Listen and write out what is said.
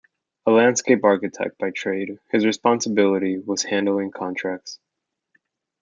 A landscape architect by trade, his responsibility was handling contracts.